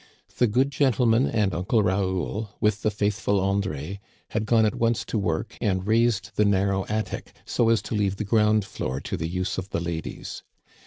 The good gentleman " and Uncle Raoul, with the faithful André, had gone at once to work and raised the narrow attic, so as to leave the ground floor to the use of the ladies.